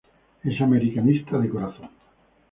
Es americanista de corazón.